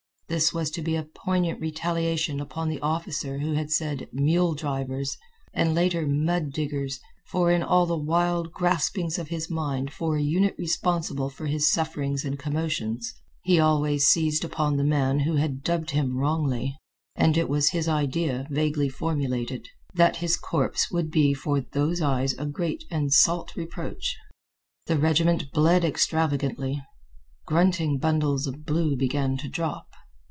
This was to be a poignant retaliation upon the officer who had said "mule drivers," and later "mud diggers," for in all the wild graspings of his mind for a unit responsible for his sufferings and commotions he always seized upon the man who had dubbed him wrongly. And it was his idea, vaguely formulated, that his corpse would be for those eyes a great and salt reproach. The regiment bled extravagantly. Grunting bundles of blue began to drop.